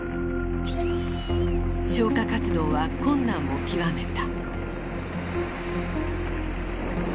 消火活動は困難を極めた。